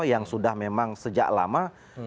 yang sudah memang sejak lama